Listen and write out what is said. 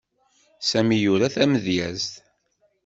Sami yura tamedyezt.